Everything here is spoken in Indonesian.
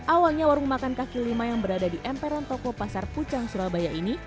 awalnya warung makan kaki lima yang berada di emperan toko pasar pucang surabaya ini